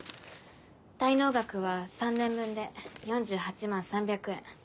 滞納額は３年分で４８万３００円。